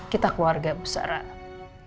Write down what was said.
kita keluarga bu sarah